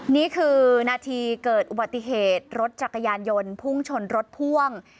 นี่คือนาทีเกิดอุบัติเหตุรถจักรยานยนต์พุ่งชนรถพ่วง